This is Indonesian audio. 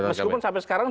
meskipun sampai sekarang